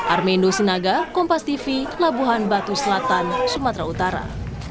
armendo sinaga kompas tv labuhan batu selatan sumatera utara